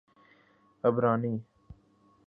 عبرانی